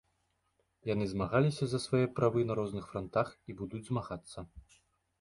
Яны змагаліся за свае правы на розных франтах і будуць змагацца.